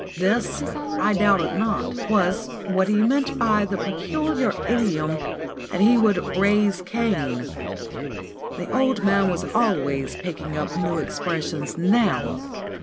This, I doubted not, was what he meant by the peculiar idiom that he would raise Cain. The old man was always picking up new expressions now.